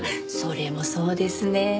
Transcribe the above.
それもそうですね。